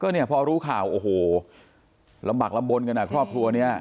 เนี่ยพอรู้ข่าวโอ้โหลำบากลำบลกันอ่ะครอบครัวเนี้ย